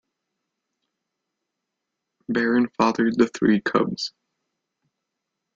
Baron fathered the three cubs.